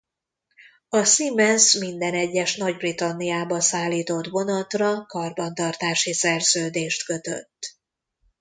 A Siemens minden egyes Nagy-Britanniába szállított vonatra karbantartási szerződést kötött.